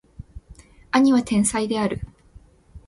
兄は天才である